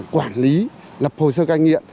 quản lý lập hồ sơ cai nghiện